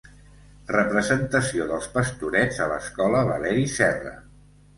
Representació dels pastorets a l'escola Valeri Serra.